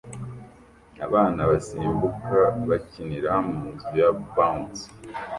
Abana basimbuka bakinira munzu ya bouncy